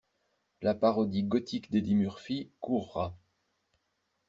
La parodie gothique d'Eddie Murphy courra.